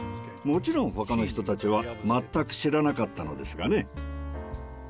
もちろんほかの人たちは全く知らなかったのですがね。